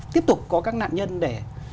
tiếp tục có các nạn nhân để